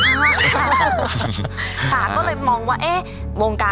หัวก็เลยมองว่า